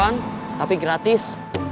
ada diskon tapi gratis